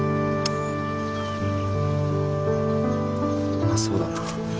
うまそうだな。